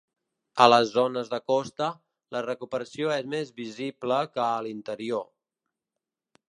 A les zones de costa, la recuperació és més visible que a l’interior.